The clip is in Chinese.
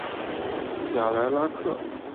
雅莱拉克。